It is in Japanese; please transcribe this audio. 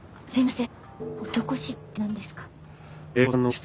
すいません。